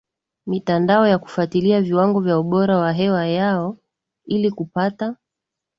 mitandao ya kufuatilia viwango vya ubora wa hewa yao ili kupata